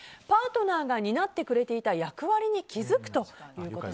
パートナーが担ってくれていた役割に気づくと。